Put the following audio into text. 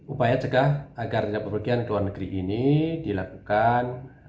upaya cegah agar tidak berpergian ke luar negeri ini dilakukan